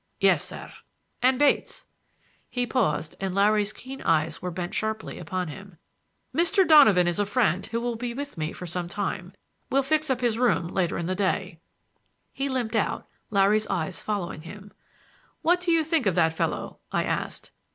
''Yes, sir." "And Bates—" He paused and Larry's keen eyes were bent sharply upon him. "Mr. Donovan is a friend who will be with me for some time. We'll fix up his room later in the day" He limped out, Larry's eyes following him. "What do you think of that fellow?" I asked.